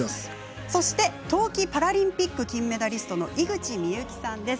そして、冬季パラリンピック金メダリストの井口深雪さんです。